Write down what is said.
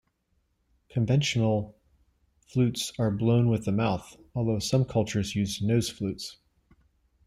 Conventional flutes are blown with the mouth, although some cultures use nose flutes.